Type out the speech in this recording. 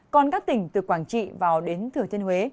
còn các tỉnh từ quảng trị vào đến thừa thiên huế